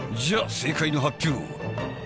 じゃ正解の発表。